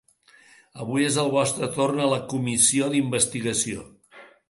Avui és el vostre torn a la comissió d’investigació.